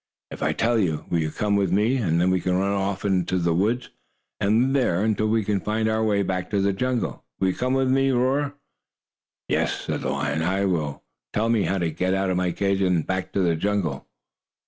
"If I tell you, will you come with me? Then we can run off to the woods, and live there until we can find our way back to the jungle. Will you come with me, Roarer?" "Yes," said the lion, "I will. Tell me how to get out of my cage and back to the jungle."